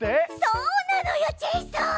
そうなのよジェイソン！